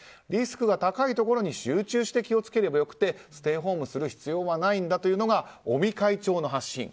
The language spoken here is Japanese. リスクが高いところに集中して気を付ければよくてステイホームする必要はないんだというのが尾身会長の発信。